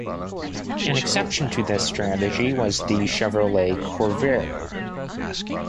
An exception to this strategy was the Chevrolet Corvair.